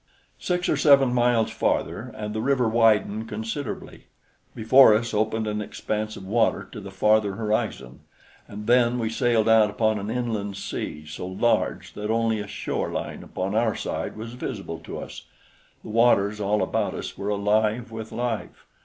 Six or seven miles farther, and the river widened considerably; before us opened an expanse of water to the farther horizon, and then we sailed out upon an inland sea so large that only a shore line upon our side was visible to us. The waters all about us were alive with life.